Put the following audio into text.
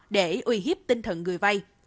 để uy hiếp tinh thần người vay